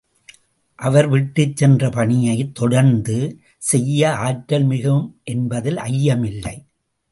அவர் விட்டுச் சென்ற பணியை தொடர்ந்து செய்ய ஆற்றல் மிகும் என்பதில் ஐயமில்லை.